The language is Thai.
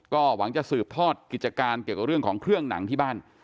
ก็หวังจะสืบทอดกิจการเกี่ยวกับเรื่องของเครื่องหนังที่บ้าน